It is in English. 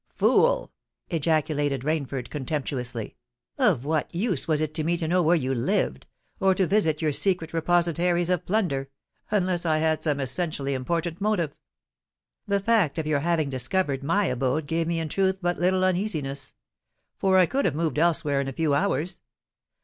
"Fool!" ejaculated Rainford, contemptuously: "of what use was it to me to know where you lived, or to visit your secret repositories of plunder, unless I had some essentially important motive? The fact of your having discovered my abode gave me in truth but little uneasiness—for I could have moved elsewhere in a few hours.